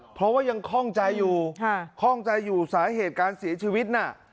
เพราะว่ายังคล่องใจอยู่คล่องใจอยู่สาเหตุการเสียชีวิตน่ะ